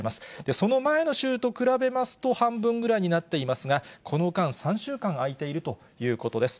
その前の週と比べますと、半分ぐらいになっていますが、この間、３週間空いているということです。